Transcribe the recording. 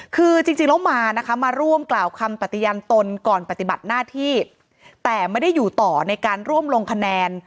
คือจริงแล้วมานะคะมาร่วมกล่าวคำปฏิยันตนก่อนปฏิบัติหน้าที่แต่ไม่ได้อยู่ต่อในการร่วมลงคะแนน